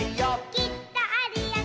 「きっとあるよね」